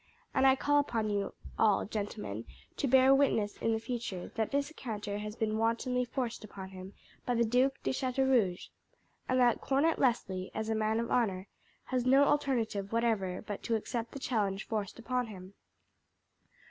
"And I call upon you all, gentlemen, to bear witness in the future, that this encounter has been wantonly forced upon him by the Duc de Chateaurouge, and that Cornet Leslie, as a man of honour, has no alternative whatever but to accept the challenge forced upon him."